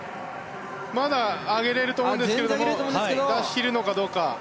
まだ上げれると思うんですけど出し切るのかどうか。